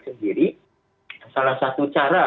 sendiri salah satu cara